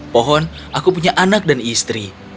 pohon aku punya anak dan istri